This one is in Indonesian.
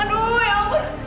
aduh ya ampun